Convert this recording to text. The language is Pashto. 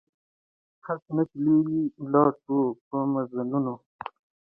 هسي نه چي لیري ولاړ سو په مزلونو